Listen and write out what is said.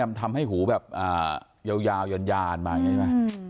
มันทำให้หูแบบยาวยานมาอย่างนี้ใช่ไหม